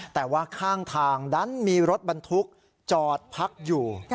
แต่ว่าข้างทางดันมีรถบรรทุกจอดพักอยู่